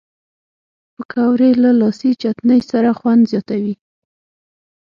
پکورې له لاسي چټني سره خوند زیاتوي